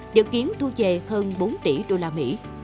dự kiến thu về hơn bốn tỷ usd